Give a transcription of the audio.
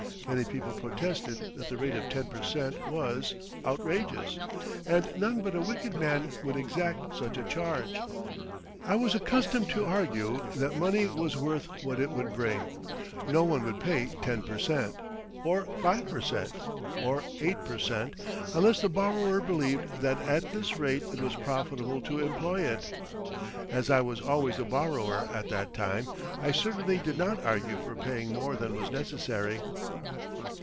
Many people protested that the rate of 10 per cent. was outrageous, and none but a wicked man would exact such a charge. I was accustomed to argue that money was worth what it would bring no one would pay 10 per cent., or 5 per cent., or 8 per cent. unless the borrower believed that at this rate it was profitable to employ it. As I was always the borrower at that time, I certainly did not argue for paying more than was necessary.